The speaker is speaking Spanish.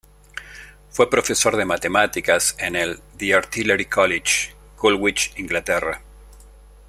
Fue profesor de matemáticas en el The Artillery College, Woolwich, Inglaterra.